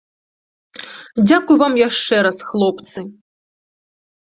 Дзякуй вам яшчэ раз, хлопцы.